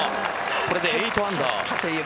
これで８アンダー。